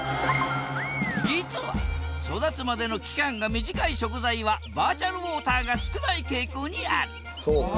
実は育つまでの期間が短い食材はバーチャルウォーターが少ない傾向にあるそうか。